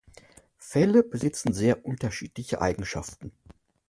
Felle besitzen sehr unterschiedliche Eigenschaften.